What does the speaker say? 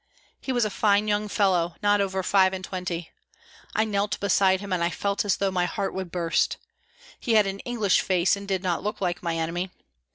He was a fine young fellow, not over five and twenty. I knelt beside him and I felt as though my heart would burst. He had an English face and did not look like my enemy.